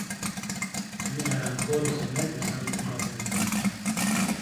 انی حرام خوری سے نیٹ گہ سم تھے فت نے تھینا